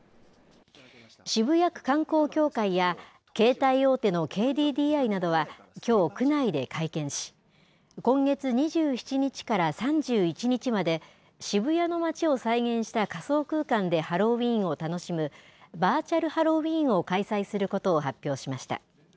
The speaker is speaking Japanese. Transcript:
渋谷区観光協会や、携帯大手のＫＤＤＩなどはきょう、区内で会見し、今月２７日から３１日まで、渋谷の街を再現した仮想空間でハロウィーンを楽しむ、バーチャルハロウィーンを開催することを発表しました。